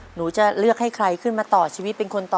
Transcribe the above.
หนูจะเลือกให้ใครขึ้นมาต่อชีวิตเป็นคนต่อ